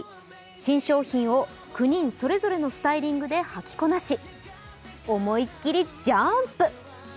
新商品を９人それぞれのスタイリングで履きこなし思いっきりジャンプ！